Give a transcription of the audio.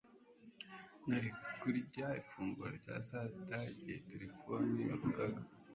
Nari kurya ifunguro rya saa sita igihe terefone yavugaga